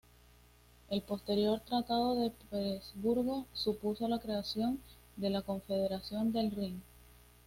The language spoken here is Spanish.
El posterior Tratado de Presburgo supuso la creación de la Confederación del Rin.